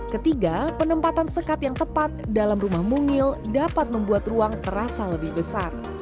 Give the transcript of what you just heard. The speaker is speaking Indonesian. ketiga penempatan sekat yang tepat dalam rumah mungil dapat membuat ruang terasa lebih besar